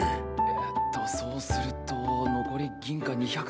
えっとそうすると残り銀貨２００枚か。